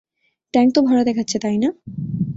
Tank তো ভরা দেখাচ্ছে, তাই না?